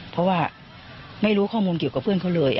เพราะว่าไม่รู้ข้อมูลกับเพื่อนเค้าเลย